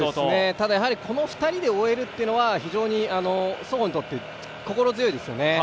ただ、この２人で追えるというのは双方にとって心強いですね。